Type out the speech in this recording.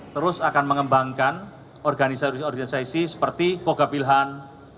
terus akan mengembangkan organisasi organisasi seperti pogapilhan